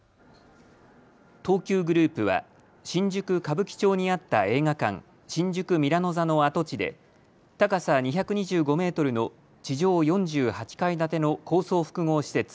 東急グループは新宿歌舞伎町にあった映画館、新宿ミラノ座の跡地で高さ２２５メートルの地上４８階建ての高層複合施設